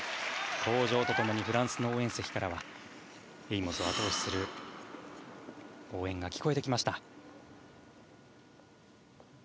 登場と共にフランスの応援席からエイモズを後押しする応援が聞こえてきました。